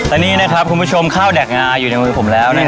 อันนี้นะครับคุณผู้ชมข้าวแกกงาอยู่ในมือผมแล้ว